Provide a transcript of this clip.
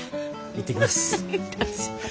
行ってきます。